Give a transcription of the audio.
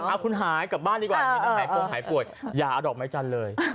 หากคุณหายกลับบ้านดีกว่าอย่าดอกไม้จันเลย